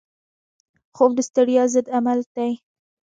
خوب د ستړیا ضد عمل دی